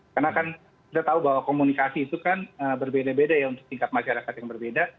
karena kan kita tahu bahwa komunikasi itu kan berbeda beda ya untuk tingkat masyarakat yang berbeda